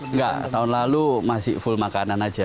enggak tahun lalu masih full makanan aja